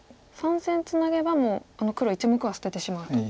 ３線ツナげばあの黒１目は捨ててしまうと。